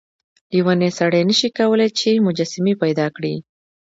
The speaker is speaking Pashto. لیونی سړی نشي کولای چې مجسمې پیدا کړي.